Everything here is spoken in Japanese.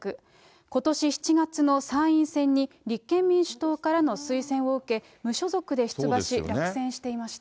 ことし７月の参院選に立憲民主党からの推薦を受け、無所属で出馬し、落選していました。